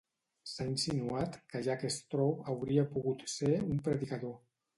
S'ha insinuat que Jack Straw hauria pogut ser un predicador.